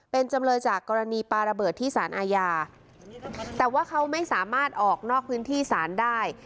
เป็นจำเลยจากกรณีปลาระเบิดที่สารอาญาแต่ว่าเขาไม่สามารถออกนอกพื้นที่ศาลได้